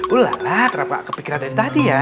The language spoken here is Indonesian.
ulah kenapa kepikiran dari tadi ya